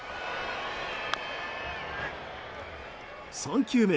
３球目。